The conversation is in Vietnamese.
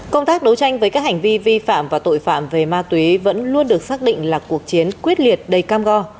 công tác đấu tranh với các hành vi vi phạm và tội phạm về ma túy vẫn luôn được xác định là cuộc chiến quyết liệt đầy cam go